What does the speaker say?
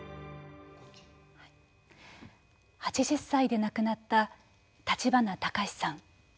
８０歳で亡くなった立花隆さん。